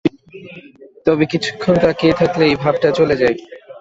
তবে কিছুক্ষণ তাকিয়ে থাকলে এই ভাবটা চলে যায়।